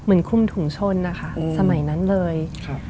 เหมือนคุมถุงชนนะคะสมัยนั้นเลย